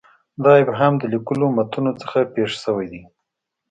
دا ابهام د لیکلو متونو څخه پېښ شوی دی.